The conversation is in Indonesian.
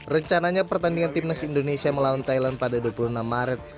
rencananya pertandingan timnas indonesia melawan thailand pada dua puluh enam maret